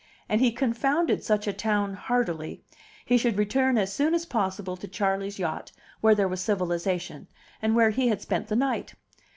And he confounded such a town heartily; he should return as soon as possible to Charley's yacht, where there was civilization, and where he had spent the night.